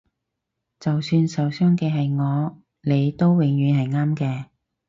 就算受傷嘅係我你都永遠係啱嘅